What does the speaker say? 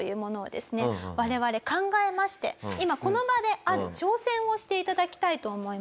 我々考えまして今この場である挑戦をして頂きたいと思います。